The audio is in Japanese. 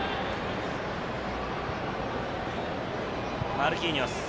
マルキーニョス。